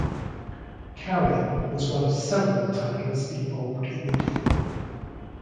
"Karin" was one of several titles involved in the deal.